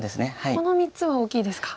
この３つは大きいですか。